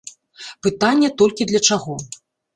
Пытанне толькі для чаго.